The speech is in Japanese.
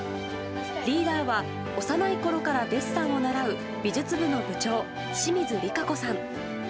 リーダーは、幼いころからデッサンを習う美術部の部長、清水里佳子さん。